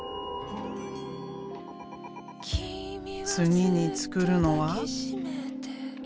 次に作るのは。